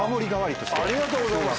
ありがとうございます。